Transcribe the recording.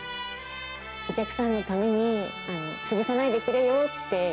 お客様のために、潰さないでくれよって。